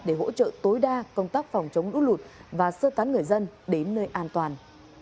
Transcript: để hỗ trợ tối đa công tác phòng chống lũ lụt và sơ tán người dân đến nơi an toàn